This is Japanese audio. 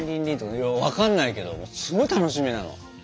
分かんないけどすごい楽しみなの。